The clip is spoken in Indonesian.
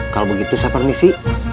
kalau begitu saya permisi